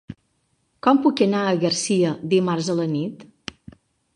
Com puc anar a Garcia dimarts a la nit?